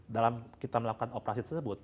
dalam kita melakukan operasi tersebut